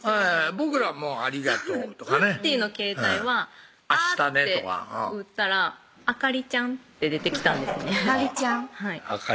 僕ら「ありがとう」とかねウッディの携帯は「あ」って打ったら「あかりちゃん」って出てきたんですねうん？